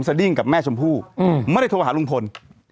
ดิ้งกับแม่ชมพู่ไม่ได้โทรหาลุงพล